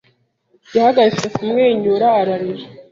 Yahagaritse kumwenyura ararira